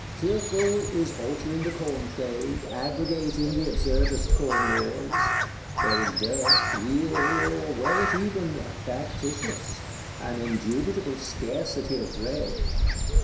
Turgot is altering the Corn trade, abrogating the absurdest Corn laws; there is dearth, real, or were it even "factitious;" an indubitable scarcity of bread.